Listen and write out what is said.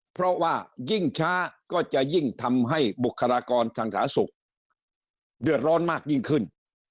เพราะว่ายิ่งช้าก็จะยิ่งทำให้บุคลากรทางสาธารณสุขเดือดร้อนมากยิ่งขึ้น